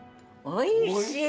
おいしい！